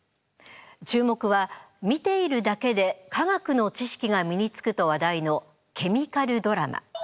注目は見ているだけで化学の知識が身につくと話題のケミカルドラマ。